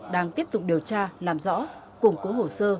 đang tiếp tục điều tra làm rõ củng cố hồ sơ